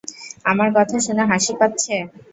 আমার কথা শুনে হাঁসি পাচ্ছে?